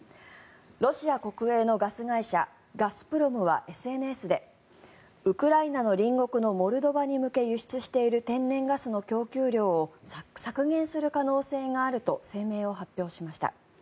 ロシア国営のガス会社ガスプロムはＳＮＳでウクライナの隣国のモルドバに向け輸出している天然ガスの供給量を削減する可能性があると声明を発表しました。